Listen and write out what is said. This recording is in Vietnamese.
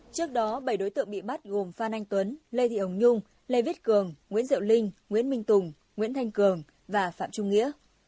trước đó bảy đối tượng bị bắt gồm phan anh tuấn lê thị hồng nhung lê viết cường nguyễn diệu linh nguyễn minh tùng nguyễn thanh cường và phạm trung nghĩa